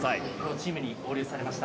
チームに合流されました。